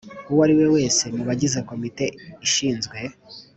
uwo ari we wese mu bagize Komite ishinzwe